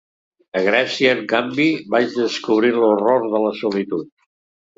A Grècia, en canvi, vaig descobrir l'horror de la solitud.